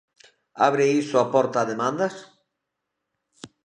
Abre iso a porta a demandas?